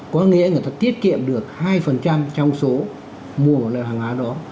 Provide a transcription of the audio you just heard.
có nghĩa là người ta tiết kiệm được hai trong số mua vào hàng hóa đó